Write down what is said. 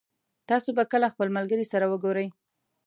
تاسو به کله خپل ملګري سره وګورئ